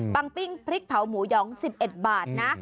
ปิ้งพริกเผาหมูหยอง๑๑บาทนะ